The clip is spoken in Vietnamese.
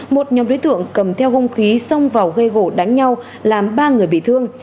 một nhóm đối tượng cầm theo hung khí xông vào gây gỗ đánh nhau làm ba người bị thương